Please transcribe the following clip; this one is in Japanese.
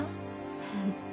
フフ。